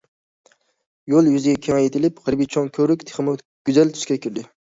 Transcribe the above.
يول يۈزى كېڭەيتىلىپ غەربىي چوڭ كۆۋرۈك تېخىمۇ گۈزەل تۈسكە كىردى.